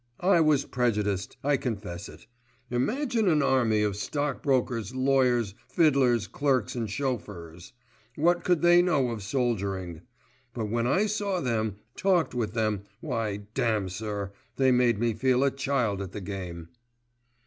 I was prejudiced, I confess it. Imagine an army of stockbrokers, lawyers, fiddlers, clerks and chauffeurs. What could they know of soldiering? But when I saw them, talked with them, why damme, sir, they made me feel a child at the game."